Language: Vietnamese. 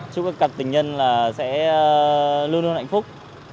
chúc các cặp tình nhân là sẽ luôn luôn hạnh phúc